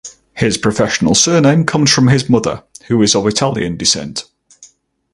His professional surname comes from his mother, who is of Italian descent.